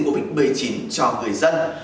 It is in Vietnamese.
covid một mươi chín cho người dân